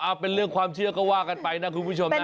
เอาเป็นเรื่องความเชื่อก็ว่ากันไปนะคุณผู้ชมนะ